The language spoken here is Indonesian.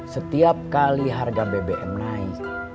setiap kali harga bbm naik